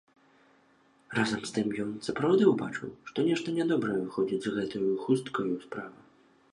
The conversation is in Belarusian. Разам з тым ён сапраўды ўбачыў, што нешта нядобрая выходзіць з гэтаю хусткаю справа.